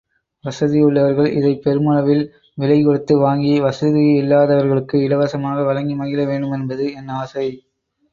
வசதியுள்ளவர்கள் இதைப் பெருமளவில் விலை கொடுத்து வாங்கி வசதியில்லாதவர்களுக்கு இலவசமாக வழங்கி மகிழ வேண்டுமென்பது என் ஆசை.